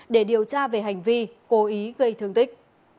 để điều tra về hành vi cố ý gây thương tích